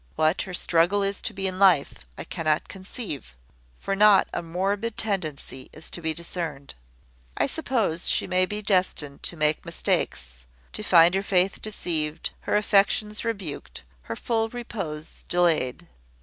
What her struggle is to be in life I cannot conceive, for not a morbid tendency is to be discerned. I suppose she may be destined to make mistakes, to find her faith deceived, her affections rebuked, her full repose delayed.